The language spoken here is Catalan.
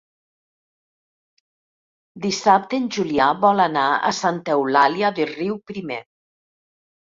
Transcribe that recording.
Dissabte en Julià vol anar a Santa Eulàlia de Riuprimer.